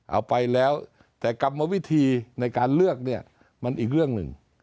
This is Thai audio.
เอาไปแล้วแต่กรรมวิธีในการเลือกเนี่ยมันอีกเรื่องหนึ่ง